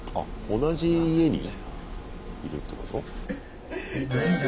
同じ家にいるってこと？